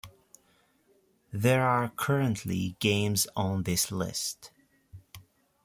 There are currently games on this list.